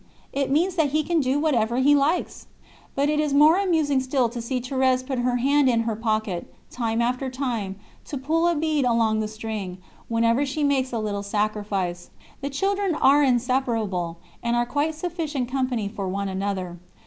'It means that He can do whatever He likes.' "But it is more amusing still to see Thérèse put her hand in her pocket, time after time, to pull a bead along the string, whenever she makes a little sacrifice. The children are inseparable, and are quite sufficient company for one another.